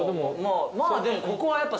まあでもここはやっぱ。